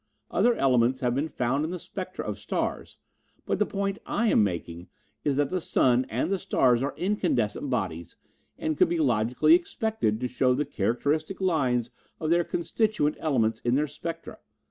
Other elements have been found in the spectra of stars, but the point I am making is that the sun and the stars are incandescent bodies and could be logically expected to show the characteristic lines of their constituent elements in their spectra.